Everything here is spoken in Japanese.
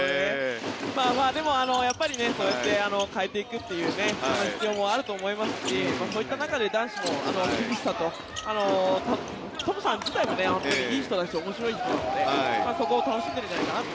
でも、そういうふうに変えていくという必要もあると思いますしそういった中で男子も厳しさとトムさん自体もいい人なんです、面白い人なのでそこを楽しんでいるんじゃないかなと。